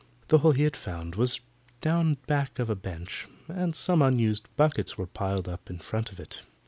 The hole he had found was down back of a bench, and some unused buckets were piled up in front of it.